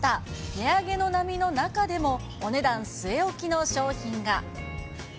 値上げの波の中でもお値段据え置きの商品が。